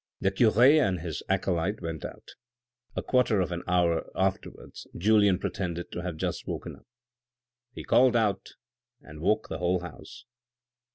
The cure and his acolyte went out. A quarter of an hour afterwards Julien pretended to have just woken up. He called out and woke up the whole house.